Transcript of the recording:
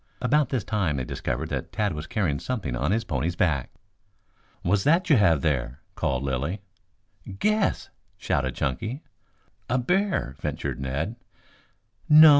About this time they discovered that Tad was carrying something on his pony's back. "What's that you have there?" called Lilly. "Guess," shouted Chunky. "A bear," ventured Ned. "No.